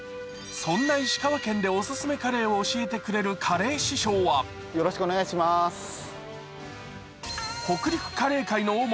そんな石川県でオススメカレーを教えてくれるカレー師匠は北陸カレー界の大物